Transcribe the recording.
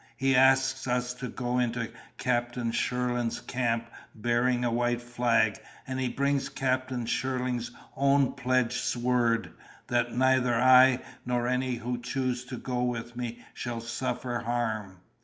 He asks us to go into Captain Shirland's camp bearing a white flag, and he brings Captain Shirland's own pledged word that neither I nor any who choose to go with me shall suffer harm.